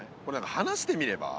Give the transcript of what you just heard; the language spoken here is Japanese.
離してみれば？